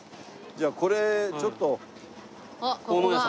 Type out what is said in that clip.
じゃあこれちょっと。